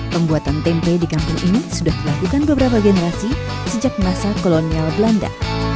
pembuatan tempe di kampung ini sudah dilakukan beberapa generasi sejak masa kolonial belanda